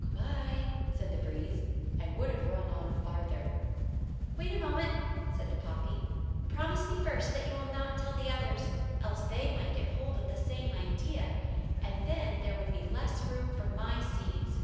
"Good bye," said the breeze, and would have run on farther. "Wait a moment," said the poppy. "Promise me first that you will not tell the others, else they might get hold of the same idea, and then there would be less room for my seeds."